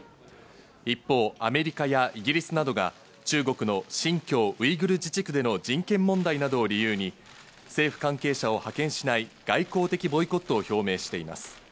一方、アメリカやイギリスなどが中国の新疆ウイグル自治区での人権問題などを理由に、政府関係者を派遣しない外交的ボイコットを表明しています。